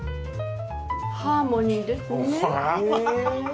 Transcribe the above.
ハーモニーですね。